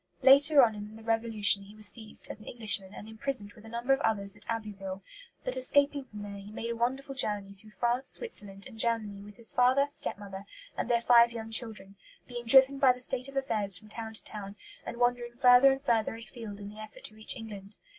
Later on in the Revolution he was seized, as an Englishman, and imprisoned with a number of others at Abbeville; but, escaping from there, he made a wonderful journey through France, Switzerland, and Germany with his father, step mother, and their five young children; being driven by the state of affairs from town to town, and wandering further and further afield in the effort to reach England.